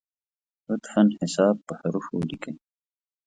لطفا حساب په حروفو ولیکی!